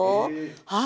はい。